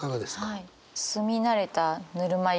はい。